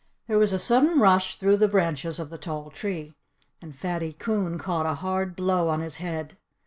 There was a sudden rush through the branches of the tall tree. And Fatty Coon caught a hard blow on his head.